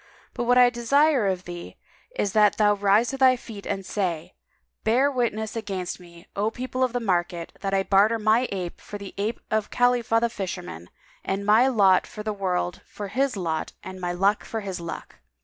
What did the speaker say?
But what I desire of thee is that thou rise to thy feet and say, 'Bear witness against me, O people of the market, that I barter my ape for the ape of Khalifah the Fisherman and my lot in the world for his lot and my luck for his luck.'"